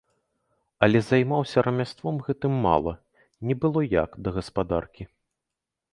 Але займаўся рамяством гэтым мала, не было як да гаспадаркі.